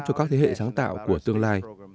cho các thế hệ sáng tạo của tương lai